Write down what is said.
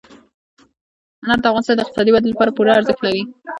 انار د افغانستان د اقتصادي ودې لپاره پوره ارزښت لري.